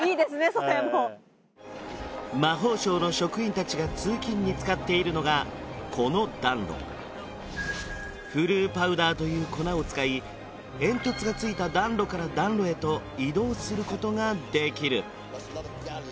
それも魔法省の職員達が通勤に使っているのがこの暖炉フルーパウダーという粉を使い煙突がついた暖炉から暖炉へと移動することができる